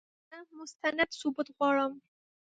زه مستند ثبوت غواړم !